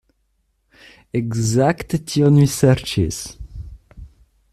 Ekzakte tion mi serĉis.